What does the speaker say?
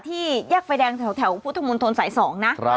แยกไฟแดงแถวพุทธมนตรสาย๒นะ